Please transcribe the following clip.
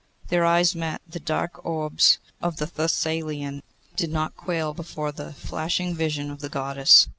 Their eyes met; the dark orbs of the Thessalian did not quail before the flashing vision of the Goddess.